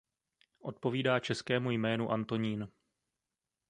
Odpovídá českému jménu Antonín.